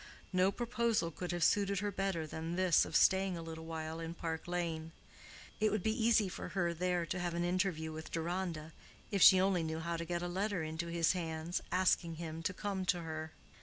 No proposal could have suited her better than this of staying a little while in Park Lane. It would be easy for her there to have an interview with Deronda, if she only knew how to get a letter into his hands, asking him to come to her.